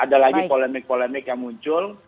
ada lagi polemik polemik yang muncul